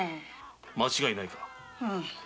間違いないのか？